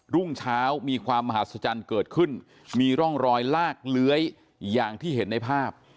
รุ่งเช้ามีความมหัศจรรย์เกิดขึ้นมีร่องรอยลากเลื้อยอย่างที่เห็นในภาพ